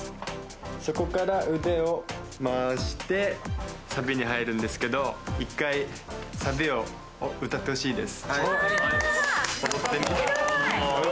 そこから腕を回して、サビに入るんですけど、一回サビを歌ってほしいです。